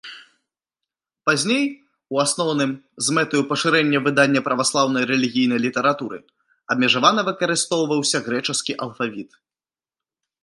Пазней, у асноўным, з мэтаю пашырэння выдання праваслаўнай рэлігійнай літаратуры, абмежавана выкарыстоўваўся грэчаскі алфавіт.